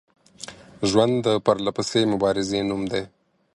ژوند د پرلپسې مبارزې نوم دی